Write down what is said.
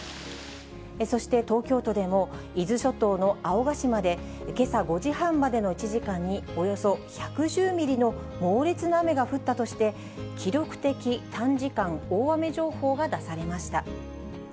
そして東京都でも、伊豆諸島の青ヶ島でけさ５時半までの１時間に、およそ１１０ミリの猛烈な雨が降ったとして、記録的短時間大雨情報が出されました。